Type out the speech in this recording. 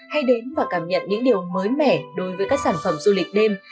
hãy đến và cảm nhận những điều mới mẻ đối với các sản phẩm du lịch đêm